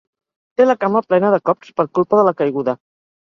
Té la cama plena de cops per culpa de la caiguda.